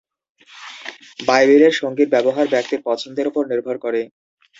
বাইবেলের সঙ্গীর' ব্যবহার ব্যক্তির পছন্দের ওপর নির্ভর করে।